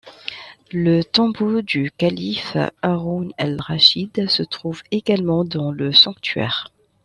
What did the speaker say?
Le tombeau du calife Harun al-Rachid se trouve également dans le sanctuaire.